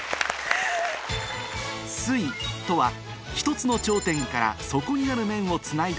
「すい」とは１つの頂点から底にある面をつないだ